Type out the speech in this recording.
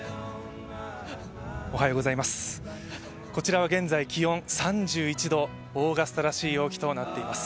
おはようございます、こちらは現在気温３１度、オーガスタらしい陽気となっています。